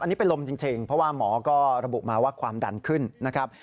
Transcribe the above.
อันนี้เป็นลมจริงเพราะว่าหมอก็ระบุมาว่าความดันขึ้นนะครับ